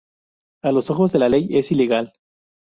A los ojos de la ley, es ilegal.